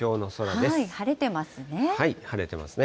晴れてますね。